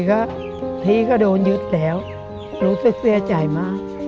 ไม่เคยคิดมันจะมีหรือว่านี้